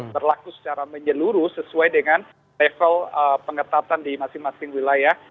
berlaku secara menyeluruh sesuai dengan level pengetatan di masing masing wilayah